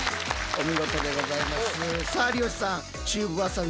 お見事でございます。